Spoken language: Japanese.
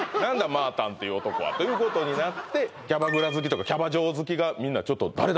まあたんっていう男は」ということになってキャバクラ好きとかキャバ嬢好きがみんなちょっと「誰だ？